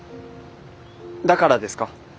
だからですか？